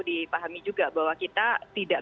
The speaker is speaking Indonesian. dipahami juga bahwa kita tidak